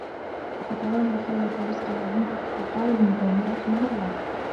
أَفَتَرَاهُ خَلَّفَ رِزْقَهُ عِنْدَك ؟ وَقَالَ ابْنُ الرُّومِيِّ رَحِمَهُ اللَّهُ